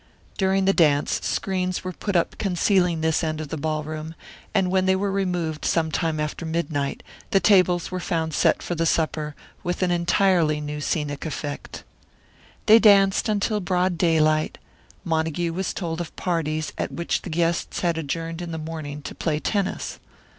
During the dance, screens were put up concealing this end of the ballroom, and when they were removed sometime after midnight, the tables were found set for the supper, with an entirely new scenic effect. They danced until broad daylight; Montague was told of parties at which the guests had adjourned in the morning to play tennis.